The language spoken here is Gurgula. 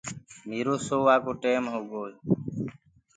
ميرو سووآ ڪو ٽيم هوگو هي